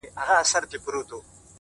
• چاویل چي چوروندک د وازګو ډک دی,